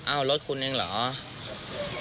อ้าวรถคุณเองเหรอ